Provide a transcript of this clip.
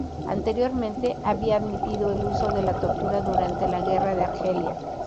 Anteriormente había admitido el uso de la tortura durante la Guerra de Argelia.